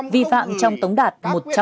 vi phạm trong tống đạt một trăm linh